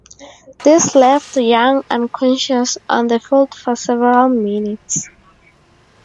This left Young unconscious on the field for several minutes.